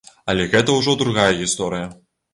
Але гэта ўжо другая гісторыя.